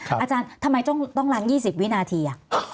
อาจารย์ทำไมต้องล้าง๒๐วินาที